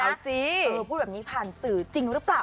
เอาสิพูดแบบนี้ผ่านสื่อจริงหรือเปล่า